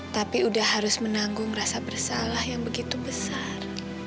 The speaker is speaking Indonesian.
tapi udah harus menanggung rasa bersalah yang begitu besar